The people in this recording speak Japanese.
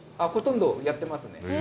ほとんどやってますね。